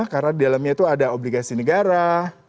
karena di dalamnya itu ada obligasi negara